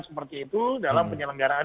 seperti itu dalam penyelenggaraan